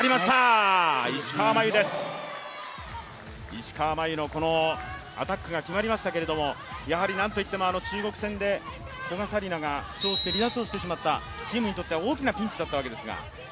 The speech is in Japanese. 石川真佑のアタックが決まりましたけれどもやはり何といっても中国戦で古賀紗理那が負傷して離脱をしてしまった、チームにとっては大きなピンチだったわけですが。